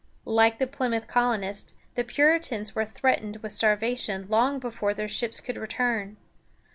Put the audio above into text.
Like the Plymouth colonists, the Puritans were threatened with starvation long before their ships could return.